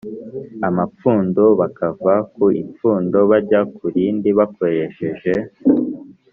amapfundo, bakava ku ipfundo bajya ku rindi bakoresheje